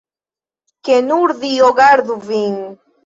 Ke nur Dio gardu vin!